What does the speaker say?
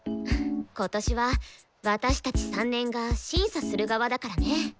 今年は私たち３年が審査する側だからね。